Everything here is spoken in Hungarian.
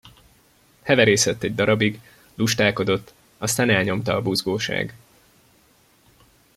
Heverészett egy darabig, lustálkodott, aztán elnyomta a buzgóság.